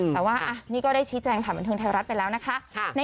แต่ว่านี่ก็ได้ชี้แจงผ่านบันเทิงไทยรัฐไปแล้วนะคะ